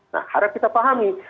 nah harap kita pahami